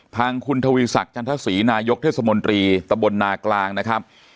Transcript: ทางคุณทวีศักดิ์จันทศรีนายกเทศมนตรีตะบลนากลางนะครับ